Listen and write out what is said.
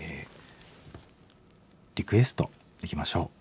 リクエストいきましょう。